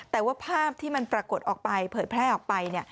แต่ว่าภาพที่มันปรากฏออกไปเผยแพร่ออกไป